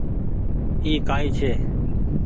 اي ڪآئي ڇي ۔